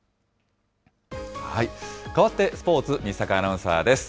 変わってスポーツ、西阪アナウンサーです。